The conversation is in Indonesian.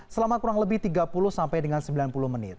selama kurang lebih tiga puluh sampai dengan sembilan puluh menit